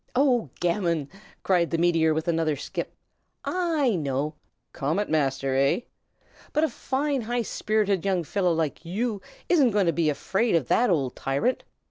"Oh, gammon!" cried the meteor, with another skip. "I know! Comet Master, eh? But a fine high spirited young fellow like you isn't going to be afraid of that old tyrant.